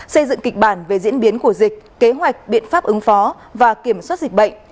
xây dựng kịch bản về diễn biến của dịch kế hoạch biện pháp ứng phó và kiểm soát dịch bệnh